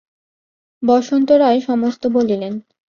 বসন্ত রায় সমস্ত বলিলেন।